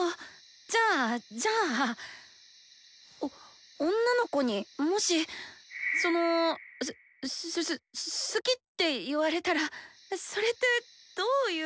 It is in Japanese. じゃあじゃあお女の子にもしそのすすす「好き」って言われたらそれってどういう。